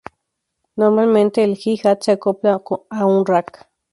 Normalmente el hi-hat se acopla a un rack.